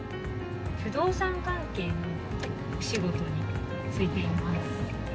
不動産関係のお仕事に就いています。